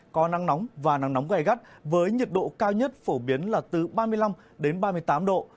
có nắng nóng và nắng nóng gai gắt với nhiệt độ cao nhất phổ biến là từ ba mươi năm đến ba mươi tám độ